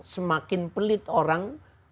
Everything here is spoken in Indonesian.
semakin pelit orang